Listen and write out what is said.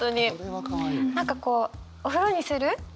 何かこう「お風呂にする？